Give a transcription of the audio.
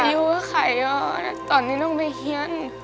ไหนจะอยู่กับใครอะตอนนี้น้องไม่เฮียน